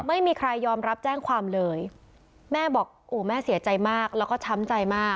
ไม่มีใครยอมรับแจ้งความเลยแม่บอกโอ้แม่เสียใจมากแล้วก็ช้ำใจมาก